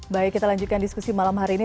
baik kita lanjutkan diskusi malam hari ini